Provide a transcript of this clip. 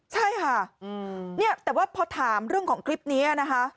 ใช่ค่ะเนี่ยแต่ว่าพอถามเรื่องของคลิปนี้นะคะ